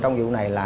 trong vụ này là